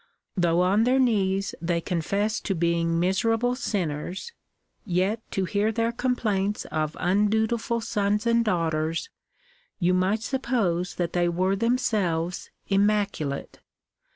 Though on their knees they confess to being miserable sinners, yet to hear their oomplaints of undutiful sons and daughters you might suppose that they were them selves immaculate.